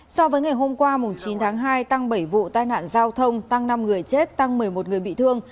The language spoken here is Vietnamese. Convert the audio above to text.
so với ngày hôm qua chín tháng hai tăng bảy vụ tai nạn giao thông tăng năm người chết tăng một mươi một người bị thương